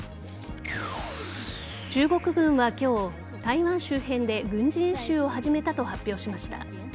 中国軍は今日台湾周辺で軍事演習を始めたと発表しました。